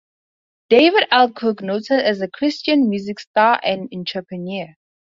David L Cook, noted as a Christian music star and entrepreneur.